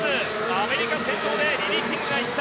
アメリカ先頭でリリー・キングが行った。